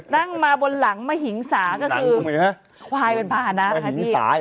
นั่งมาบนหลังมหิงสาก็คือควายเป็นภาษณะนะคะพี่